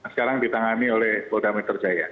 sekarang ditangani oleh polda metro jaya